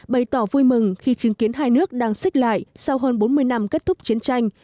bày tỏ vui mừng khi chứng kiến hai nước đang xích lại sau hơn bốn mươi năm kết thúc chiến tranh